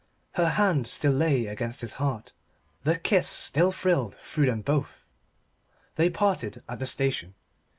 Her hand still lay against his heart. The kiss still thrilled through them both. They parted at the station.